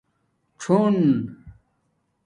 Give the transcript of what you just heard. ݼݸن